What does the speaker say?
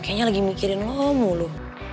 kayaknya lagi mikirin lo mulu